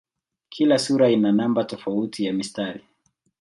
Kila sura ina namba tofauti ya mistari.